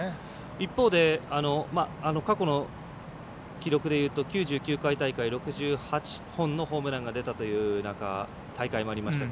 一方で過去の記録で言うと９９回大会６８本のホームランが出たという大会もありましたが。